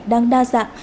đang đa dạng